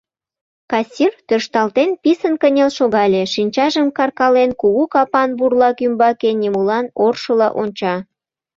Кассир, тӧршталтен, писын кынел шогале, шинчажым каркален, кугу капан бурлак ӱмбаке нимолан оршыла онча.